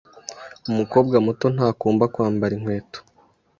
Umukobwa muto ntakunda kwambara inkweto.